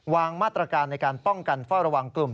วางมาตรการในการป้องกันเฝ้าระวังกลุ่ม